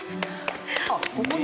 あっここに？